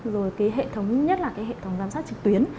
rồi nhất là hệ thống giám sát trực tuyến